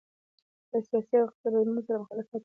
له سیاسي او اقتصادي بدلونونو سره مخالف وو.